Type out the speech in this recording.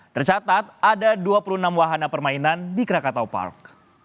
tercatat ada dua puluh enam wahana permainan di krakatau park